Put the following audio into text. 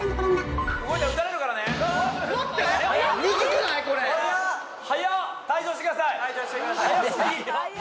動いたら撃たれるからね退場してください早すぎ！